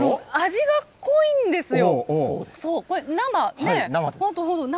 味が濃いんですよ。